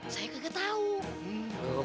saya gak ketahuan